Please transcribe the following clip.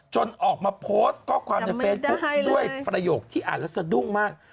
จนออกมาโพสต์ก็ความแน่ใจด้วยประโยคที่อ่านแล้วสะดุ้งมาก